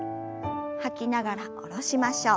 吐きながら下ろしましょう。